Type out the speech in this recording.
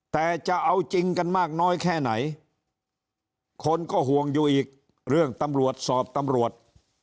แต่จะเอาจริงกันมากน้อยแค่ไหนคนก็ห่วงอยู่อีกเรื่องตำรวจสอบตำรวจ